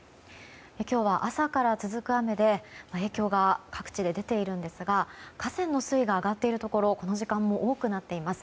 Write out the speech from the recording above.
今日は朝から続く雨で影響が各地で出ているんですが河川の水位が上がっているところこの時間も多くなっています。